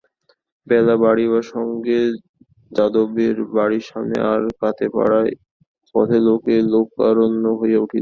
বেলা বাড়িবার সঙ্গে যাদবের বাড়ির সামনে আর কায়েতপাড়ার পথে লোকে লোকারণ্য হইয়া উঠিল।